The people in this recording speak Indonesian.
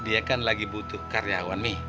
dia kan lagi butuh karyawan nih